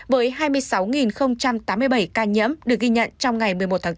với hai mươi sáu tám mươi bảy ca nhiễm được ghi nhận trong ngày một mươi một tháng bốn